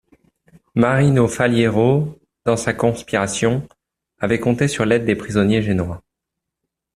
Marino Faliero dans sa conspiration avait compté sur l'aide des prisonniers génois.